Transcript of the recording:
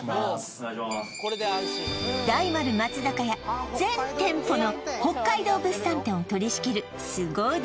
大丸松坂屋全店舗の北海道物産展を取り仕切るスゴ腕